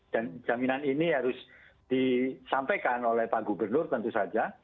dan jaminan ini harus disampaikan oleh pak gubernur tentu saja